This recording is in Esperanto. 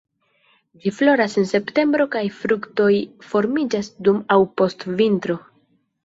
Ĝi floras en septembro kaj fruktoj formiĝas dum aŭ post vintro.